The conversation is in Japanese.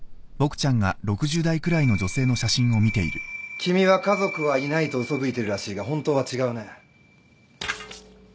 君は家族はいないとうそぶいてるらしいがホントは違うね。